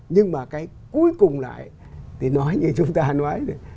nhưng mà cái cuối cùng lại thì nói như chúng ta nói rồi